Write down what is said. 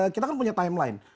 kita kan punya timeline